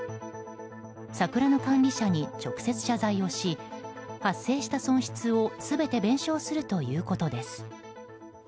桜の管理者に直接謝罪をし発生した損失を全て弁償するということです。